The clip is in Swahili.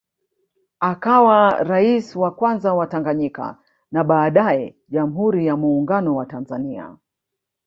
Akawa rais wa Kwanza wa Tanganyika na baadae Jamhuri ya Muungano wa Tanzania